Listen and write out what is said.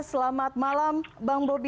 selamat malam bang bobi